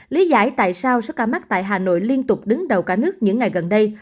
lý giải tại sao số ca mắc tại hà nội liên tục đứng đầu cả nước những ngày gần đây